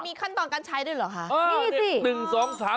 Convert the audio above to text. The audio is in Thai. มีขั้นตอนการใช้ด้วยเหรอคะ